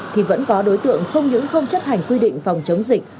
thì vẫn có đối tượng không những không chấp hành quy định phòng chống dịch